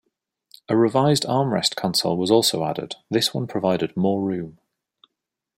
A revised armrest console was also added, this one provided more room.